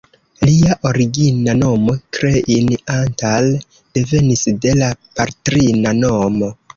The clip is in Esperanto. Lia origina nomo "Klein Antal" devenis de la patrina nomo.